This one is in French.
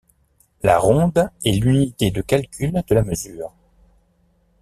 La ronde est l'unité de calcul de la mesure.